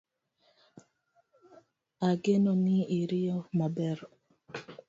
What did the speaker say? Ageno ni iriyo maber